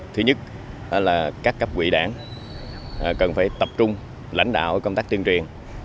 thứ nhất là các cấp quỹ đảng cần phải tập trung lãnh đạo công tác tuyên truyền